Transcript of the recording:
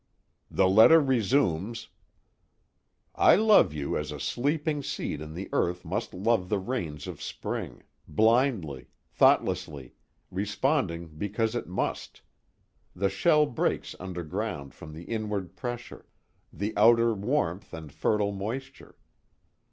_] The letter resumes: "I love you as a sleeping seed in the earth must love the rains of spring, blindly, thoughtlessly, responding because it must the shell breaks underground from the inward pressure, the outer warmth and fertile moisture.